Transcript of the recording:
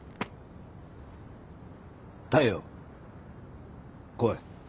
大陽来い